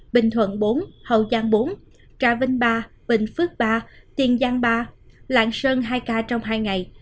bình thuận bốn hậu giang bốn trà vinh ba bình phước ba tiền giang ba lạng sơn hai ca trong hai ngày